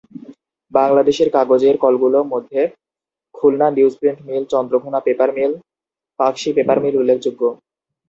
বাংলাদেশের কাগজের কলগুলোর মধ্যে Khulna newsprint mill, Chandraghona paper mill, Pakshi paper mill উল্লেখযোগ্য।